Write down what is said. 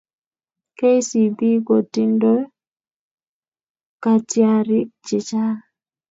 Kcb ko tindo katiarik che chang